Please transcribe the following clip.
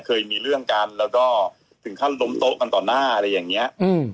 เคยมีเรื่องกันแล้วก็ถึงขั้นล้มโต๊ะกันต่อหน้าอะไรอย่างเงี้ยอืม